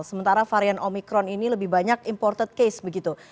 sementara varian omikron ini lebih banyak imported case begitu